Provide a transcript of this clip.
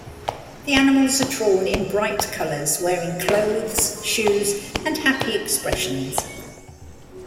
The animals are drawn in bright colors, wearing clothes, shoes, and happy expressions.